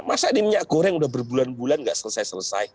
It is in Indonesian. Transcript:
masa di minyak goreng udah berbulan bulan nggak selesai selesai